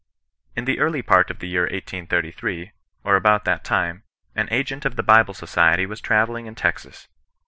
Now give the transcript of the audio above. " In the early part of the year 1833, or about that time, an agent of the Bible Society was trayeUing in. Texas.